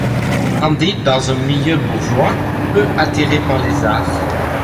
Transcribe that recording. Il grandit dans un milieu bourgeois, peu attiré par les arts.